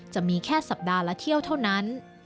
จะมีแค่สัปดาห์ละเที่ยวเท่านั้น